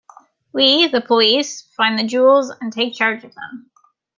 We, the police, find the jewels and take charge of them.